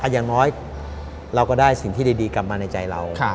อย่างน้อยเราก็ได้สิ่งที่ดีกลับมาในใจเรา